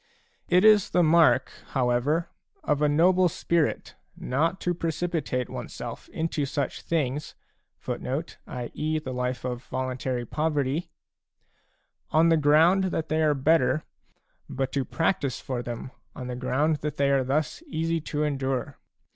It is the mark, however, of a noble spirit not to precipitate oneself into such things a on the ground that they are better, but to practise for them on the ground that they are thus easy to endure.